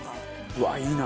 うわいいなこれ。